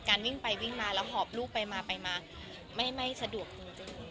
วิ่งไปวิ่งมาแล้วหอบลูกไปมาไปมาไม่สะดวกจริง